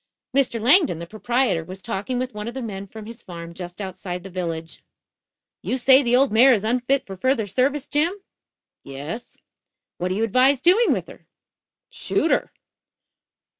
Mr. Langdon, the proprietor, was talking with one of the men from his farm just outside the village. "You say the old mare is unfit for further service, Jim?" "Yes." "What do you advise doing with her?" "Shoot her."